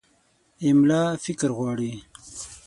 املا فکر غواړي.